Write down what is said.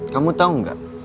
kamu tau gak